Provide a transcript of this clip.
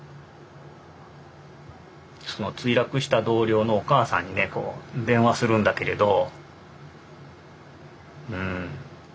その墜落した同僚のお母さんにねこう電話するんだけれど。